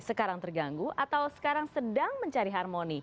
sekarang terganggu atau sekarang sedang mencari harmoni